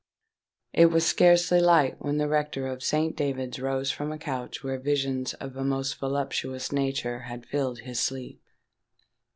It was scarcely light when the rector of Saint David's rose from a couch where visions of a most voluptuous nature had filled his sleep.